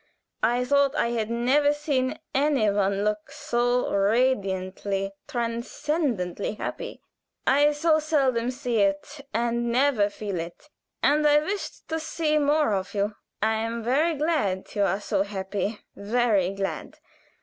"I thought I had never seen any one look so radiantly, transcendently happy. I so seldom see it and never feel it, and I wished to see more of you. I am very glad you are so happy very glad.